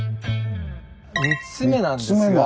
３つ目なんですが。